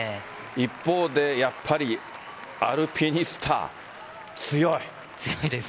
一方でやっぱりアルピニスタ強い。